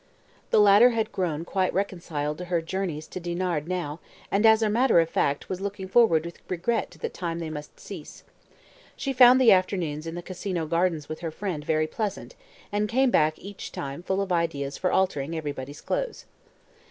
The latter had grown quite reconciled to her journeys to Dinard now, and, as a matter of fact, was looking forward with regret to the time they must cease. She found the afternoons in the Casino Gardens with her friend very pleasant, and came back each time full of ideas for altering everybody's clothes.